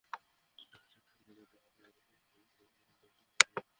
তাঁকে জিজ্ঞাসাবাদের জন্য আরও সাত দিনের রিমান্ডে নেওয়ার আবেদন করা হয়েছে।